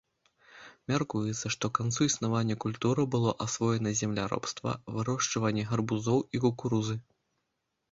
Мяркуецца, што к канцу існавання культуры было асвоена земляробства, вырошчванне гарбузоў і кукурузы.